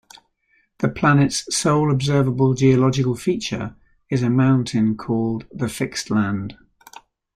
The planet's sole observable geological feature is a mountain called the Fixed Land.